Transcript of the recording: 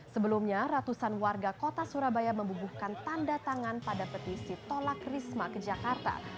sebelumnya ratusan warga kota surabaya membubuhkan tanda tangan pada petisi tolak risma ke jakarta